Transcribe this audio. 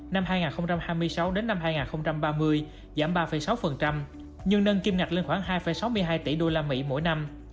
năm hai nghìn hai mươi sáu đến năm hai nghìn ba mươi giảm ba sáu nhưng nâng kim ngạch lên khoảng hai sáu mươi hai tỷ usd mỗi năm